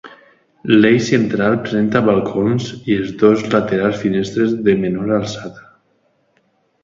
L'eix central presenta balcons i els dos laterals finestres de menor alçada.